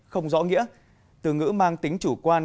không rõ nghĩa từ ngữ mang tính chủ quan